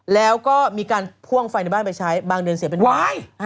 แล้วก็มีการพ่วงไฟในบ้านไปใช้บางเดือนเสียเป็นว้าย